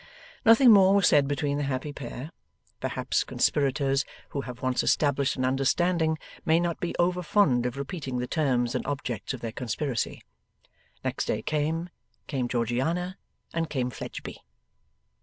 Nothing more was said between the happy pair. Perhaps conspirators who have once established an understanding, may not be over fond of repeating the terms and objects of their conspiracy. Next day came; came Georgiana; and came Fledgeby.